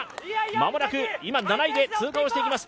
間もなく今、７位で通過をしていきます。